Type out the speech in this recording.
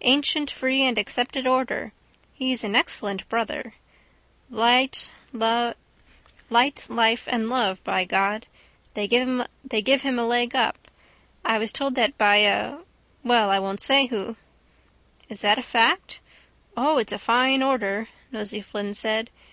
Ancient free and accepted order. He's an excellent brother. Light, life and love, by God. They give him a leg up. I was told that by a—well, I won't say who. —Is that a fact? —O, it's a fine order, Nosey Flynn said.